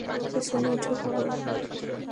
পেছনে উঠে পড়।